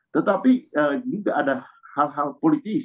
tetapi juga ada hal hal politis